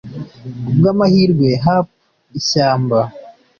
Kubwamahirwe hap ishyamba